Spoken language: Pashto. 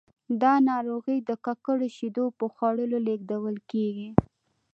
دا ناروغي د ککړو شیدو په خوړلو لیږدول کېږي.